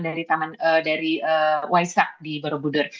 dari waisak di borobudur